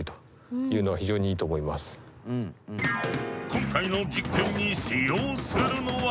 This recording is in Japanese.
今回の実験に使用するのは。